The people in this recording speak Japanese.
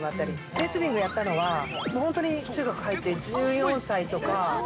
レスリングをやったのは中学入って、１４歳とか。